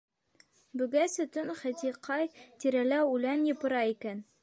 Бөгәсә төн Хати ҡай тирәлә үлән йыпыра икән?